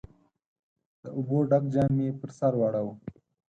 د اوبو ډک جام يې پر سر واړاوه.